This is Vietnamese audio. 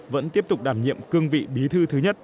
vẫn tiếp tục đảm nhiệm cương vị bí thư thứ nhất